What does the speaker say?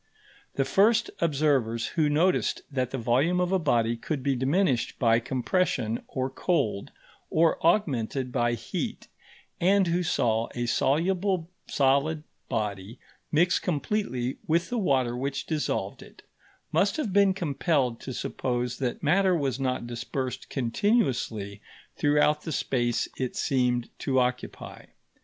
The first observers who noticed that the volume of a body could be diminished by compression or cold, or augmented by heat, and who saw a soluble solid body mix completely with the water which dissolved it, must have been compelled to suppose that matter was not dispersed continuously throughout the space it seemed to occupy.